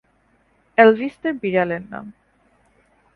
Elvis তার বিড়ালের নাম।